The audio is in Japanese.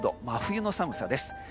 真冬の寒さです。